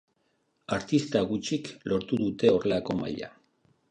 Artista gutxik lortu dute horrelako maila.